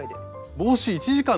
帽子１時間で？